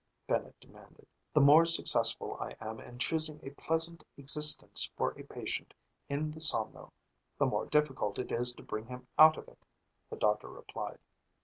Bennett demanded. "The more successful I am in choosing a pleasant existence for a patient in the somno, the more difficult it is to bring him out of it," the doctor replied.